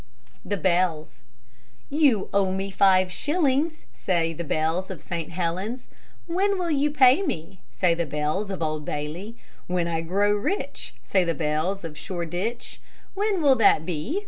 THE BELLS "You owe me five shillings," Say the bells of St. Helen's. "When will you pay me?" Say the bells of Old Bailey. "When I grow rich," Say the bells of Shoreditch. "When will that be?"